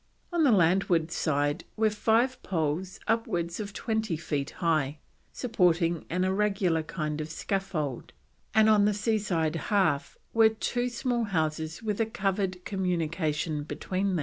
On the landward side were five poles upwards of twenty feet high, supporting an irregular kind of scaffold, and on the sea side half were two small houses with a covered communication between.